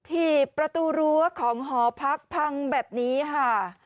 ถีบประตูรั้วของหอพักพังแบบนี้ค่ะ